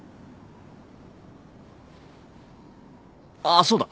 あそうだ。